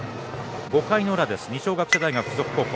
５回の裏、二松学舎大付属高校。